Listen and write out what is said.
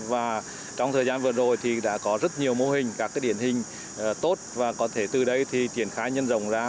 và trong thời gian vừa rồi thì đã có rất nhiều mô hình các cái điển hình tốt và có thể từ đây thì tiền khai nhân dòng ra